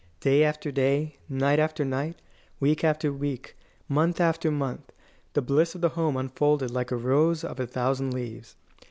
Day after day, night after night, week after week, month after month, the bliss of the home unfolded like a rose of a thousand leaves.